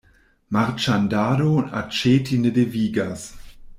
Marĉandado aĉeti ne devigas.